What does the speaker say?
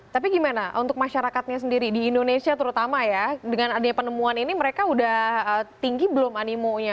tapi gimana untuk masyarakatnya sendiri di indonesia terutama ya dengan adanya penemuan ini mereka udah tinggi belum animonya